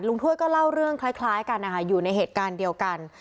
ถ้วยก็เล่าเรื่องคล้ายกันนะคะอยู่ในเหตุการณ์เดียวกัน